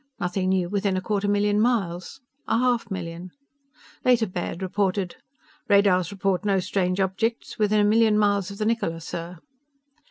Nothing new within a quarter million miles. A half million. Later Baird reported: "Radars report no strange objects within a million miles of the Niccola, sir."